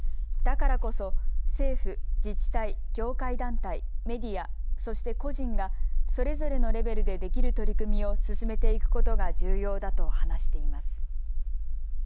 だからこそ政府、自治体、業界団体、メディア、そして個人がそれぞれのレベルでできる取り組みを進めていくことが重要だと話しています。